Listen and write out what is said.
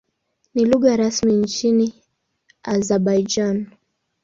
Ni lugha rasmi nchini Azerbaijan.